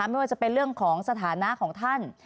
ไม่ว่าจะเป็นเรื่องของสถานะของท่าน